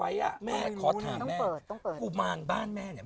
เอาเขายัดไว้อ่ะแม่ขอถามแม่ต้องเปิดต้องเปิดกุมานบ้านแม่เนี่ย